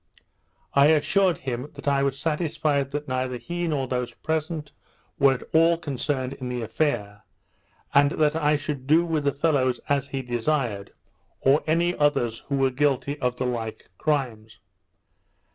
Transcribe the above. I assured him, that I was satisfied that neither he nor those present were at all concerned in the affair; and that I should do with the fellows as he desired, or any others who were guilty of the like crimes.